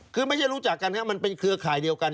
คือไม่ใช่รู้จักกันครับมันเป็นเครือข่ายเดียวกัน